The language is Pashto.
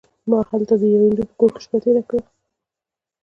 ما هلته د یوه هندو په کور کې شپه تېره کړه.